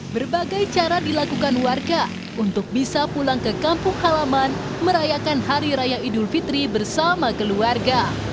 berbagai cara dilakukan warga untuk bisa pulang ke kampung halaman merayakan hari raya idul fitri bersama keluarga